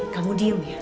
kamu diam ya